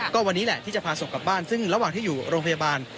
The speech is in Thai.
ก็วันนี้แหละที่จะพาศพกลับบ้านซึ่งระหว่างที่อยู่โรงพยาบาล